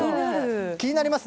気になりますね。